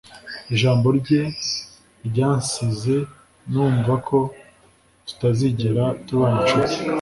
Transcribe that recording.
ijambo rye ryansize numva ko tutazigera tuba inshuti